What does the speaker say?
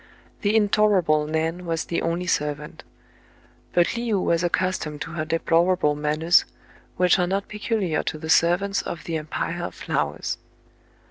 The intolerable Nan was the only servant; but Le ou was accustomed to her deplorable manners, which are not peculiar to the servants of the Em pire of Flowers.